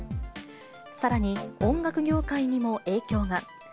さらに、音楽業界にも影響が。